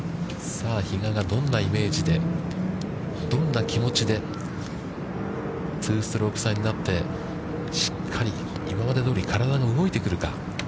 さあ、比嘉がどんなイメージで、どんな気持ちで２ストローク差になって、しっかり今までどおり体が動いてくるか。